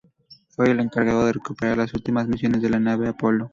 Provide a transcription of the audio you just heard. Fue el encargado de recuperar las últimas misiones de la nave Apolo.